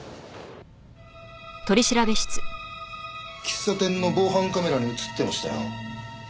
喫茶店の防犯カメラに映ってましたよ。